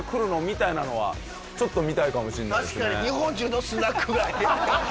みたいなのはちょっと見たいかもしんないです